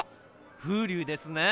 風流ですね。